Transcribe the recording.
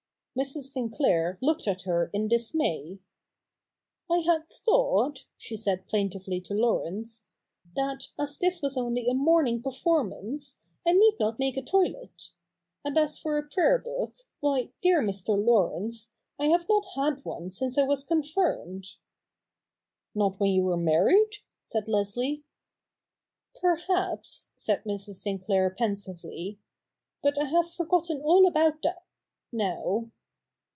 Mrs. Sinclair looked at her in dismay. ' I had thought,' she said plaintively to Laurence, ' that, as this was only a morning performance, I need not make a toilette. And as for a prayer book, why, dear Mr. Laurence, I have not had one since I was confirmed.' ' Not when you were married ?' said Leslie. ' Perhaps,' said Mrs. Sinclair pensively, ' but I have forgotten all about that now.'